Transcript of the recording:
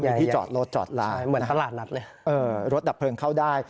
มีที่จอดรถจอดร้านใช่เหมือนสถานาทนัดเลยอ่ารถดับเผลินเขาได้